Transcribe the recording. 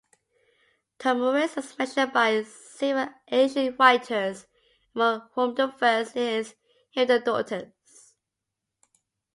Tomyris is mentioned by several ancient writers, among whom the first is Herodotus.